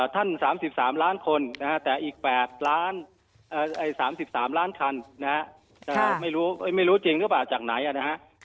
ท่าน๓๓ล้านคนแต่อีก๓๓ล้านคันไม่รู้จริงหรือเปล่าจากไหน